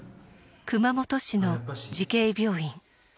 熊本市の慈恵病院。